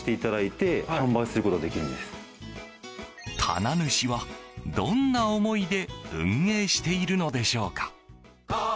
棚主は、どんな思いで運営しているのでしょうか。